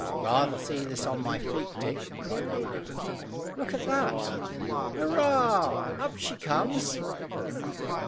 "Rather see this on my feet, Dick," cried the lad. "Look at that! Hurrah! Up she comes!"